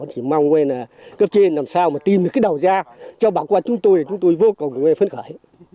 thì mong quên là cấp trên làm sao mà tìm được cái đầu ra cho bà con chúng tôi thì chúng tôi vô cùng phấn khởi